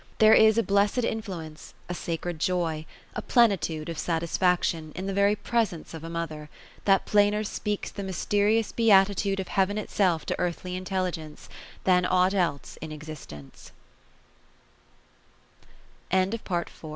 There is a blessed influence, a sacred joy, a plenitude of satisfaction, in the very presence of a mother, that plainer speaks the mysterious beati tude of Heaven itself to earthly intelligence, than aught else in